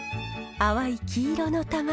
淡い黄色の卵。